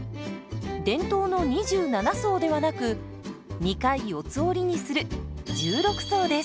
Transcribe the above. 伝統の２７層ではなく２回四つ折りにする１６層です。